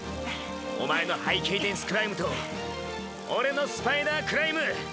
お前のハイケイデンスクライムと俺のスパイダークライム。